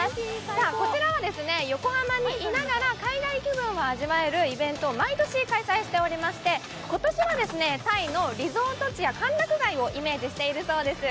こちらは横浜にいながら海外気分を味わえるイベントを毎年開催しておりまして、今年はタイのリゾート地や歓楽街をイメージしているそうです。